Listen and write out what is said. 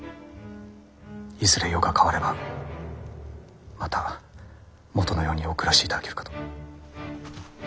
いずれ世が変わればまた元のようにお暮らしいただけるかと。